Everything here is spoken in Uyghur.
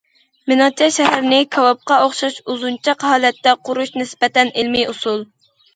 مېنىڭچە شەھەرنى كاۋاپقا ئوخشاش ئۇزۇنچاق ھالەتتە قۇرۇش نىسبەتەن ئىلمىي ئۇسۇل.